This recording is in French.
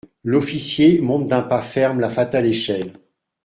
L'officier monte d'un pas ferme la fatale échelle.